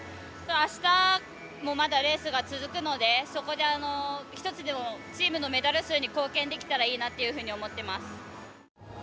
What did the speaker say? あしたも、まだレースが続くのでそこで、１つでもチームのメダル数に貢献できたらいいなというふうに思ってます。